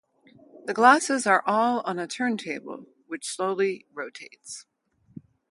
The glasses are all on a turntable which slowly rotates.